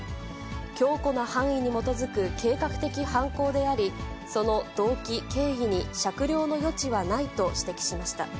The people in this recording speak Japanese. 強固な犯意に基づく計画的犯行であり、その動機、経緯に酌量の余地はないと指摘しました。